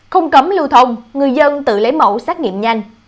không cấm lưu thông người dân tự lấy mẫu xét nghiệm nhanh